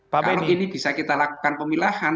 kalau ini bisa kita lakukan pemilahan